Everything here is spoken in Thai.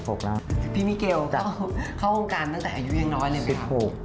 เป็นนางแบบก่อน